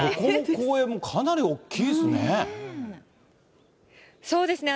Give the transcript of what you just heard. ここの公園もかなり大きいですね。